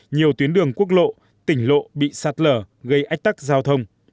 nhiều tuyến đường quốc lộ tỉnh lộ bị sạt lở gây ách tắc giao thông